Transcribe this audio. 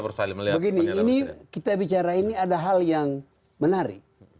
begini ini kita bicara ini ada hal yang menarik